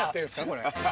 これ。